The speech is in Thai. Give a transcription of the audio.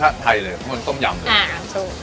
ถ้าไทยเลยเพราะคือต้มยำหนึ่ง